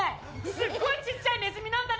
すっごいちっちゃいネズミなんだね。